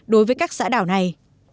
đối với các xã đảo này